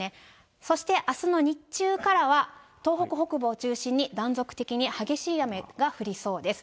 そして、あすの日中からは、東北北部を中心に、断続的に激しい雨が降りそうです。